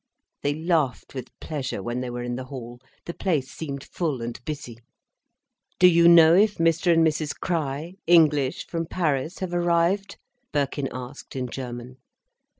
They laughed with pleasure when they were in the hall. The place seemed full and busy. "Do you know if Mr and Mrs Crich—English—from Paris, have arrived?" Birkin asked in German.